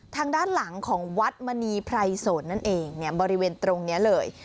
ทางด้านหลังของวัดมณีไพรโสนนั่นเองบริเวณตรงนี้เลย